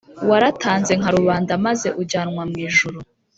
“waratanze nka rubanda maze ujyanwa mu ijuru